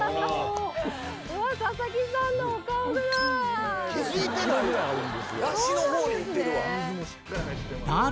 佐々木さんのお顔ぐらい。